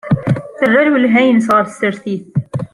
Terra lwelha-nnes ɣer tsertit.